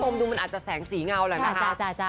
มันอาจจะแสงสีเงาเลยนะคะ